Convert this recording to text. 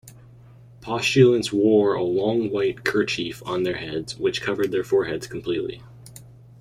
Postulants wore a long white kerchief on their heads, which covered their foreheads completely.